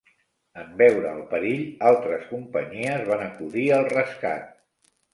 En veure el perill, altres companyies van acudir al rescat.